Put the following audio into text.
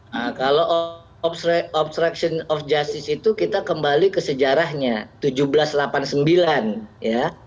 nah kalau obstruction of justice itu kita kembali ke sejarahnya seribu tujuh ratus delapan puluh sembilan ya